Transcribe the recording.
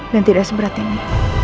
dan tidak seberat ini